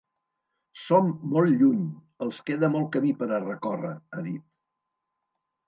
Som molt lluny, els queda molt camí per a recórrer, ha dit.